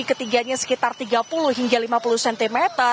ketinggiannya sekitar tiga puluh hingga lima puluh cm